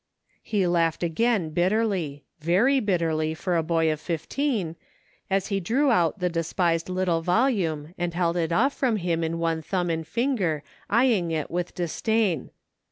He laughed again, bitterly — very bitterly, for a boy of fifteen — as he drew out the despised little volume and held it off from him in one thumb and finger, eying it with disdain.